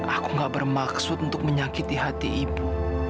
aku gak bermaksud untuk menyakiti hati ibu